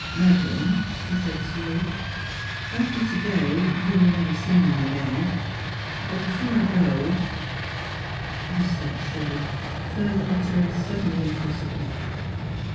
" Madeleine," he said slowly, " after today you will never see me again. ... But before I go " He stopped short, further utterance suddenly impossible.